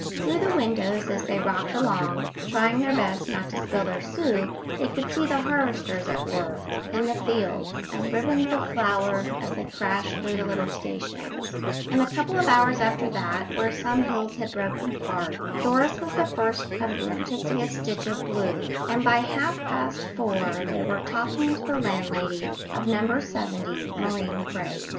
Through the windows, as they rocked along, trying their best not to spill their soup, they could see the harvesters at work in the fields, and ribbons of flowers as they crashed through the little stations; and a couple of hours after that, where some hills had broken apart, Doris was the first of them to see a stitch of blue; and by half past four they were talking to the landlady of number 70 Marine Parade.